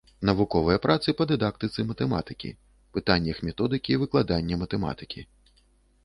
Навуковыя працы па дыдактыцы матэматыкі, пытаннях методыкі выкладання матэматыкі.